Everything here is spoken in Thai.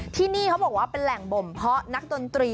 ที่นี่เขาบอกว่าเป็นแหล่งบ่มเพาะนักดนตรี